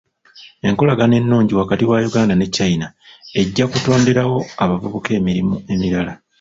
Enkolagana ennungi wakati wa Uganda ne China ejja kutonderawo abavubuka emirimu emirala.